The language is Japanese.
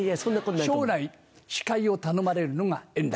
将来司会を頼まれるのが円楽。